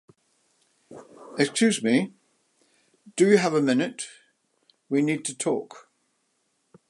Excuse me, do you have a minute? We need to talk.